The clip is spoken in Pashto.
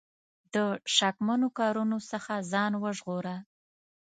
د شکمنو کارونو څخه ځان وژغوره.